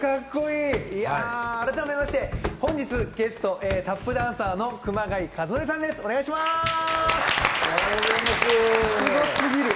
いや改めまして本日のゲスト、タップダンサーの熊谷和徳さんですごすぎる。